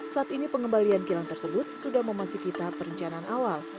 saat ini pengembalian kilang tersebut sudah memasuki tahap perencanaan awal